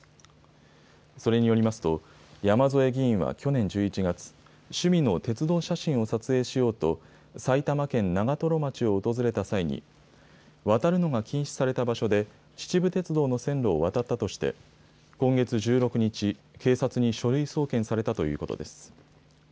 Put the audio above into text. それによりますと、山添議員は去年１１月、趣味の鉄道写真を撮影しようと、埼玉県長瀞町を訪れた際に、渡るのが禁止された場所で、秩父鉄道の線路を渡ったとして、今月１６日、警察に書類送検されたということです。